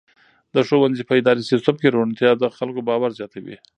د ښوونځي په اداري سیسټم کې روڼتیا د خلکو باور زیاتوي.